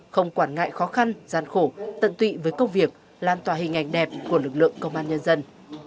không quản ngại khó khăn gian khổ tận tụy với công việc lan tòa hình ảnh đẹp của lực lượng công an nhân dân